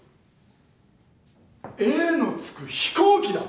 「Ａ」の付く飛行機だ！